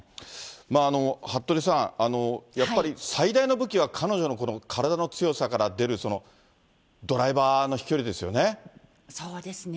服部さん、やっぱり最大の武器は彼女のこの体の強さから出るドライバーの飛そうですね。